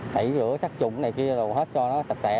tẩy rửa sắc trụng này kia đồ hết cho nó sạch sẽ